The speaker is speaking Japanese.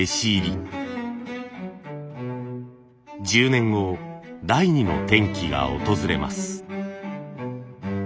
１０年後第２の転機が訪れます。